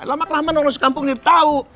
lama kelamaan orang sekampung ini tau